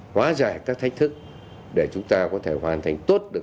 hóa giải các thách thức để chúng ta có thể hoàn thành tốt được